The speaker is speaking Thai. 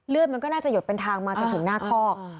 มันก็น่าจะหยดเป็นทางมาจนถึงหน้าคอก